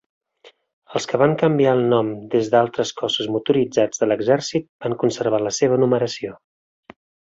Els que van canviar el nom des d'altres cossos motoritzats de l'exèrcit van conservar la seva numeració.